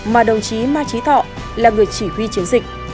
mà đồng chí mai trí thọ là người chỉ huy chiến dịch